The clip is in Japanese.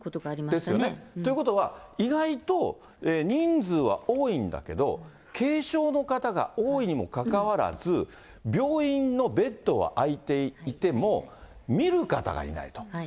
ですよね。ということは、意外と人数は多いんだけど、軽症の方が多いにもかかわらず、病院のベッドは空いていても、みる方がいないと。